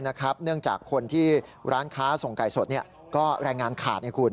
เนื่องจากคนที่ร้านค้าส่งไก่สดก็แรงงานขาดให้คุณ